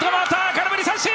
空振り三振！